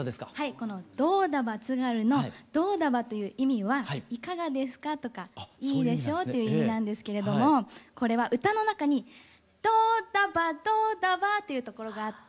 この「どうだば津軽」の「どうだば」という意味は「いかがですか」とか「いいでしょ」という意味なんですけれどもこれは歌の中に「どうだばどうだば」というところがあって。